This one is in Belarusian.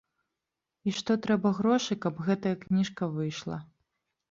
І што трэба грошы, каб гэтая кніжка выйшла.